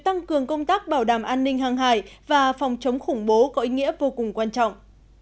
tăng cường công tác bảo đảm an ninh hàng hải và phòng chống khủng bố có ý nghĩa vô cùng quan trọng